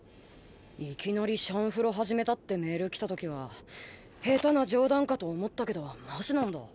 いきなり「シャンフロ始めた」って下手な冗談かと思ったけどマジなんだ？